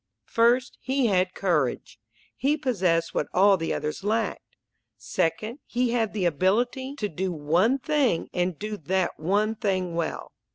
First, he had courage. He possessed what all the others lacked. Second, he had the ability to do one thing and do that one thing well.